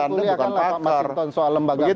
nanti saya kuliahkan lah pak mas hinton soal lembaga